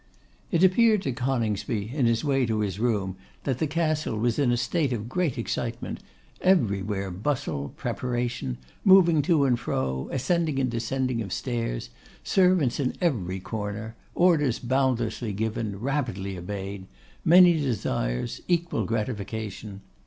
It appeared to Coningsby in his way to his room, that the Castle was in a state of great excitement; everywhere bustle, preparation, moving to and fro, ascending and descending of stairs, servants in every corner; orders boundlessly given, rapidly obeyed; many desires, equal gratification.